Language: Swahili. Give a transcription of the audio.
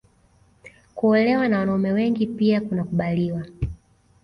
Kuolewa na wanaume wengi pia kunakubaliwa